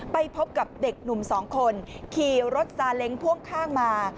ไปพบกับเด็กหนุ่มสองคนขี่รถซาเล้งพ่วงข้างมา